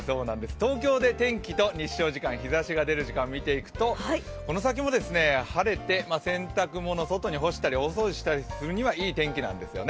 東京で天気と日照時間を見ていくと、この先も晴れて洗濯物外に干したり大掃除したりするにはいいお天気なんですね。